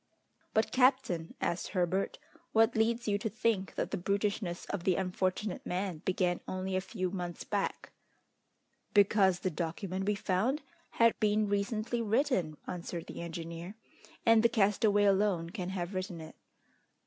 "But, captain," asked Herbert, "what leads you to think that the brutishness of the unfortunate man began only a few months back?" "Because the document we found had been recently written," answered the engineer, "and the castaway alone can have written it."